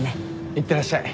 いってらっしゃい。